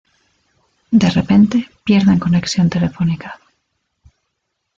De repente pierden conexión telefónica.